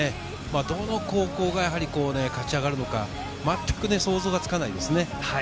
どの高校が勝ちあがるのか、まったく想像がつかないですね。